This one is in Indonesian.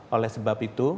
oleh sebab itu